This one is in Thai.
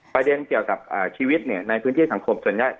ประเด็นเกี่ยวกับชีวิตในพื้นที่สังคมส่วนใหญ่